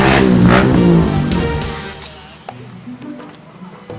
nanti kita cari